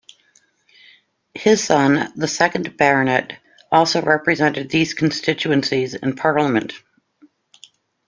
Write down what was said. His son, the second Baronet, also represented these constituencies in Parliament.